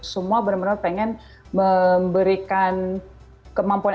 semua bener bener pengen memberikan kemampuan